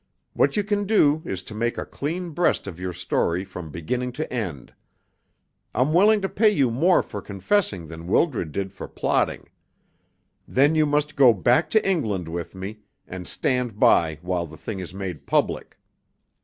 What you can do is to make a clean breast of your story from beginning to end. I'm willing to pay you more for confessing than Wildred did for plotting. Then you must go back to England with me, and stand by while the thing is made public."